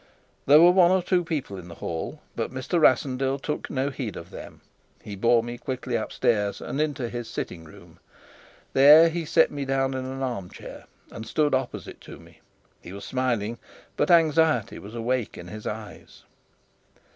There were one or two people in the hall, but Mr. Rassendyll took no heed of them. He bore me quickly upstairs and into his sitting room. There he set me down in an arm chair, and stood opposite to me. He was smiling, but anxiety was awake in his eyes.